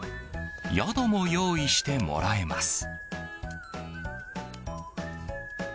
宿も用意してもらえます。